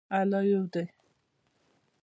الله یو دی.